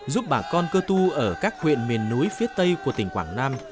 giúp bà con cơ tu ở các huyện miền núi phía tây của tỉnh quảng nam